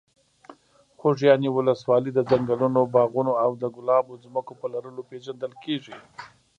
خوږیاڼي ولسوالۍ د ځنګلونو، باغونو او د ګلابو ځمکو په لرلو پېژندل کېږي.